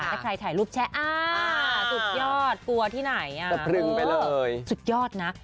ถ้าใครถ่ายรูปแชร์อ่าสุดยอดตัวที่ไหนอ่าสุดยอดน่ะ